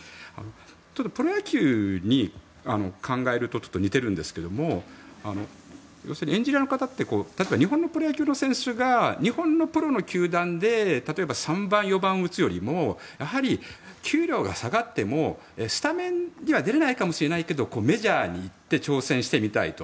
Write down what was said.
プロ野球に考えると似てるんですけど要するにエンジニアの方って日本のプロ野球の選手が日本のプロの球団で例えば、３番、４番を打つよりもやはり給料が下がってもスタメンには出れないかもしれないけどメジャーに行って挑戦してみたいと。